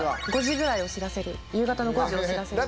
５時ぐらいを知らせる夕方の５時を知らせる。